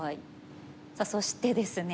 さあそしてですね